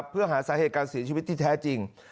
เพื่อหาสาเหตุการเสียชีวิตที่แท้จริง